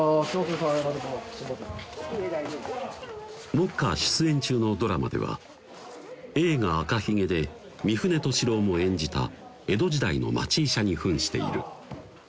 目下出演中のドラマでは映画「赤ひげ」で三船敏郎も演じた江戸時代の町医者にふんしている